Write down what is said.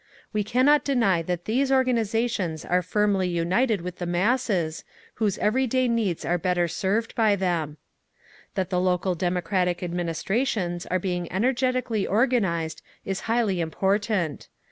We cannot deny that these organisations are firmly united with the masses, whose everyday needs are better served by them…. "That the local democratic administrations are being energetically organised is highly important.